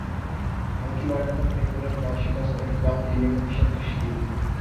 hockey world cup میں عبرتناک شکست تحقیقات کیلئے کمیشن تشکیل